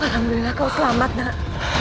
alhamdulillah kau selamat nak